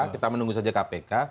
kita menunggu saja kpk